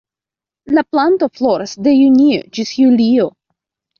La planto floras de junio ĝis julio.